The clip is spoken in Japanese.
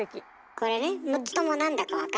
これね６つともなんだか分かる？